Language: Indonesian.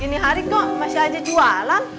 ini hari kok masih aja jualan